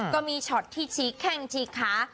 ก็มีช็อตที่ฉีกแข้งฉีกขา